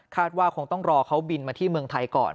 ว่าคงต้องรอเขาบินมาที่เมืองไทยก่อน